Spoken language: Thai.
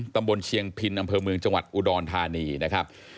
ตำบลเชียงพินอำเภอเมืองจังหวัดอุดรธานีนะครับ